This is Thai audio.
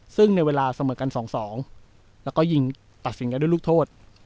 ซึ่งในเวลาเสมอกัน๒๒แล้วก็ยิงตัดสินกันด้วยลูกโทษ